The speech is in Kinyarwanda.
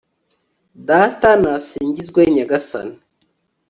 data, nasingizwe nyagasani